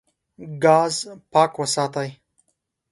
ګاز پاک وساتئ.